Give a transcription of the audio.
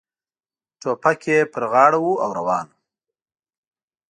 ټوپک یې پر غاړه و او روان و.